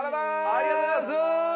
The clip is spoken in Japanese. ありがとうございます！